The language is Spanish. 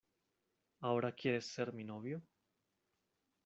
¿ ahora quieres ser mi novio?